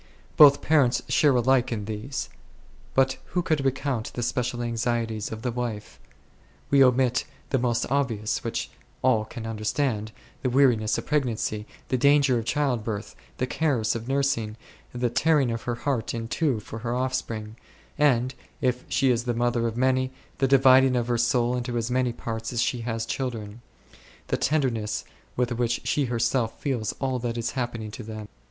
Both parents share alike in these ; but who could recount the special anxieties of the wife ? We omit the most obvious, which all can understand, the weariness of pregnancy, the danger in childbirth, the cares of nursing, the tearing of her heart in two for her offspring, and, if she is the mother of many, the dividing of her soul into as many parts as she has children ; the tenderness with which she herself feels all that is happening to them.